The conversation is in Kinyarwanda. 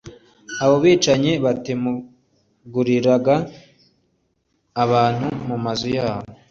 Abo bicanyi batemaguriraga abantu mu mazu yabo